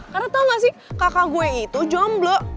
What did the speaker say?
karena tau gak sih kakak gue itu jomblo